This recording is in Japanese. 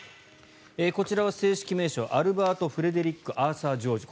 こちらは正式名称アルバート・フレデリック・アーサー・ジョージ。